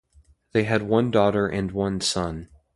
They had one daughter and one son.